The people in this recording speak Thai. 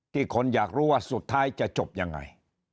คนอยากรู้ว่าสุดท้ายจะจบยังไง